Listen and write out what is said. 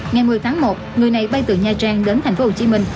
ngày một mươi tháng một người này bay từ nha trang đến tp hcm